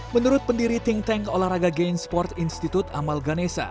menurut pendiri think tank olahraga gainsport institute amal ganesa